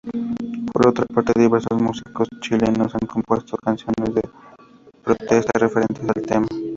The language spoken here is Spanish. Por otra parte, diversos músicos chilenos han compuesto canciones de protesta referentes al tema.